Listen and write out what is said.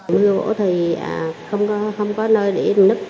mưa vỗ thì không có nơi để nứt